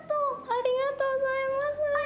ありがとうございます。